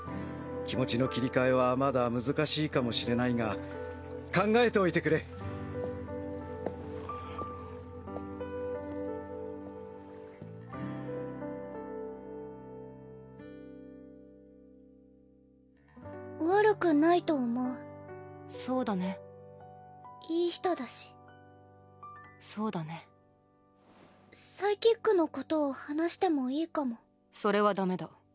気持ちの切り替えはまだ難しいかもしれないが考えておいてくれんっ悪くないと思うそうだねいい人だしそうだねサイキックのことを話してもいいかもそれはダメだ。